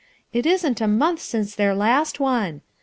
it isn't a month since their last one.